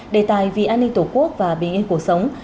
đề tài vì an ninh tổ quốc và bình yên cuộc sống